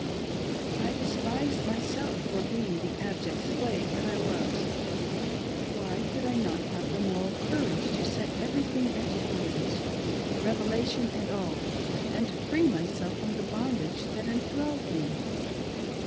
I despised myself for being the abject slave that I was. Why could I not have the moral courage to set everything at defiance — Revelation and jail— and free myself from the bondage that enthralled me